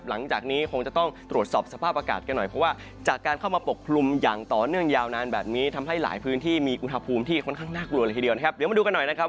หลังจากนี้คงจะต้องตรวจสอบสภาพอากาศกันหน่อยเพราะว่าจากการเข้ามาปกคลุมอย่างต่อเนื่องยาวนานแบบนี้ทำให้หลายพื้นที่มีอุณหภูมิที่ค่อนข้างน่ากลัวเลยทีเดียวนะครับเดี๋ยวมาดูกันหน่อยนะครับ